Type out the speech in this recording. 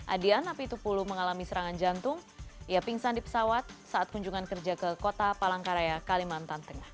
adian apitupulu mengalami serangan jantung ia pingsan di pesawat saat kunjungan kerja ke kota palangkaraya kalimantan tengah